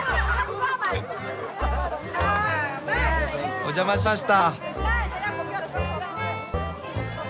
お邪魔しました。